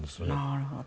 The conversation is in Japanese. なるほど。